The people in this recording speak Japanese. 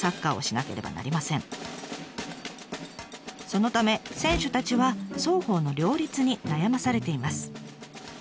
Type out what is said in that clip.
そのため選手たちは双方の両立に悩まされています。